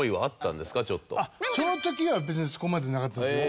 その時は別にそこまでなかったです。